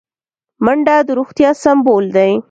منډه د روغتیا سمبول دی